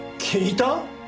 聞いた？